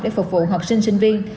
để phục vụ học sinh sinh viên